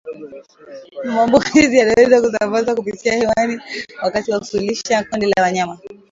Maambukizi yanaweza kusambazwa kupitia hewani wakati wa kulisha kundi la wanyama